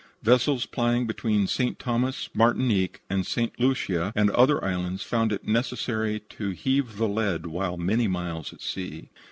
Vessels plying between St. Thomas, Martinique, St. Lucia and other islands found it necessary to heave the lead while many miles at sea.